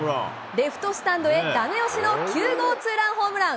レフトスタンドへだめ押しの９号ツーランホームラン。